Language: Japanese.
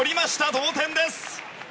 同点です！